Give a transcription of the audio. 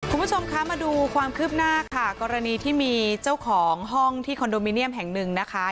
คุณผู้ชมคะมาดูความคืบหน้าค่ะกรณีที่มีเจ้าของห้องที่คอนโดมิเนียมแห่งหนึ่งนะคะ